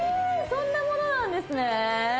そんなものなんですね